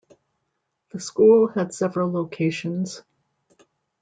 The school had several locations.